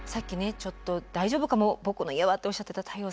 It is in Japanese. ちょっと大丈夫かも僕の家はとおっしゃってた太陽さん。